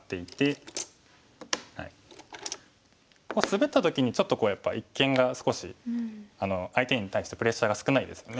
スベった時にちょっとやっぱ一間が少し相手に対してプレッシャーが少ないですよね。